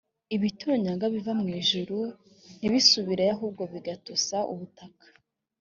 ibitonyanga biva mu ijuru ntibisubireyo ahubwo bigatosa ubutaka